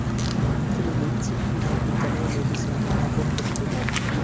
তিনি লিপজিগ বিশ্ববিদ্যালয়ে মেডিসিন বিভাগে ভর্তি হন।